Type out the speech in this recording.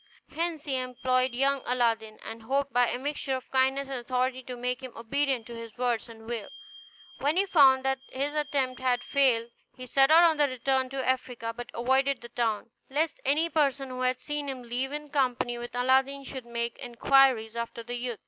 Hence he employed young Aladdin, and hoped by a mixture of kindness and authority to make him obedient to his word and will. When he found that his attempt had failed, he set out to return to Africa, but avoided the town, lest any person who had seen him leave in company with Aladdin should make inquiries after the youth.